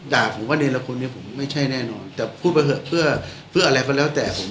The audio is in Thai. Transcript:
ด่าผมว่าเนรคนนี้ผมไม่ใช่แน่นอนแต่พูดไปเถอะเพื่อเพื่ออะไรก็แล้วแต่ผม